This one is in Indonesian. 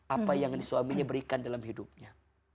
apa yang suaminya berikan dalam hidupnya